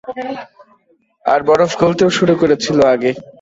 আর বরফ গলতেও শুরু করেছিল আগে।